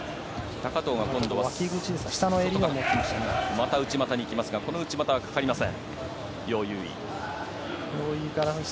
高藤がまた内股に行きますがこの内股はかかりません。